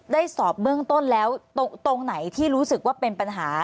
สอบเบื้องต้นแล้วตรงไหนที่รู้สึกว่าเป็นปัญหา